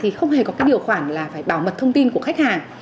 thì không hề có điều khoản bảo mật thông tin của khách hàng